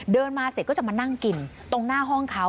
เดินมาเสร็จก็จะมานั่งกินตรงหน้าห้องเขา